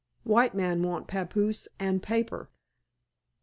White man want papoose and paper."